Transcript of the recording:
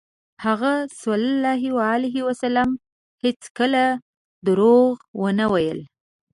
هغه ﷺ هېڅکله دروغ ونه ویل.